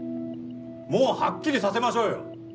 もうハッキリさせましょうよ！